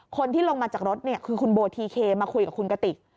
คนที่ลงมาจากรถคือคุณโบทีเคมาคุยกับคุณกติก